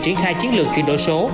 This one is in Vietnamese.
triển khai chiến lược chuyển đổi số